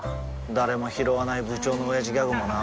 誰もひろわない部長のオヤジギャグもな